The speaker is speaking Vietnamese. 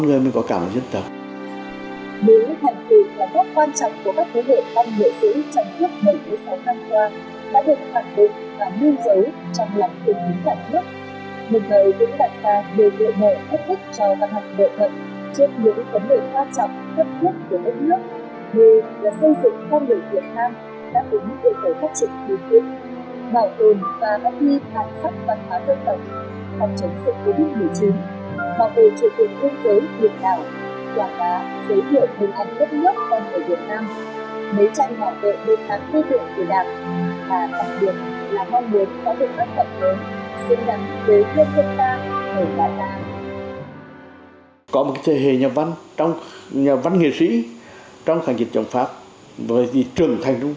nhìn từ khía cạnh tích cực thì khía cạnh đời sống với thông thường anh muốn về sẽ tạo nên những